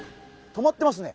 止まってますね。